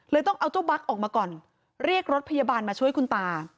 ต้องเอาเจ้าบั๊กออกมาก่อนเรียกรถพยาบาลมาช่วยคุณตา